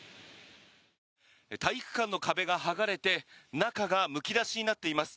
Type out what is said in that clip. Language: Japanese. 体育館の壁が剥がれて中がむき出しになっています。